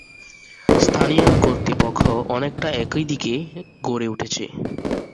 স্থানীয় কর্তৃপক্ষও অনেকটা একই দিকে গড়ে উঠেছে।